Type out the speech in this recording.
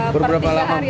per berapa lama